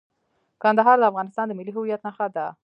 کندهار د افغانستان د ملي هویت نښه ده.